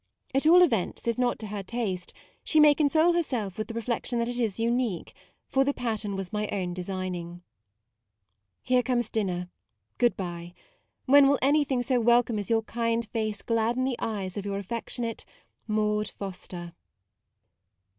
At all events, if not to her taste, she may console herself with the reflec tion that it is unique ; for the pattern was my own designing. Here comes dinner; good bye. When will anything so welcome as your kind face gladden the eyes of Your affectionate MAUDE FOSTER